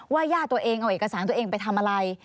ย่าตัวเองเอาเอกสารตัวเองไปทำอะไร